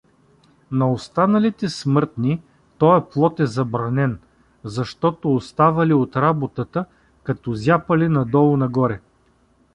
На останалите смъртни тоя плод е забранен, защото оставали от работата, като зяпали надолу-нагоре.